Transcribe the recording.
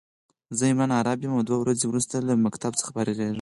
زه عمران عرب يم او دوه ورځي وروسته له مکتب څخه فارغيږم